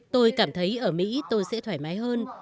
tôi cảm thấy ở mỹ tôi sẽ thoải mái hơn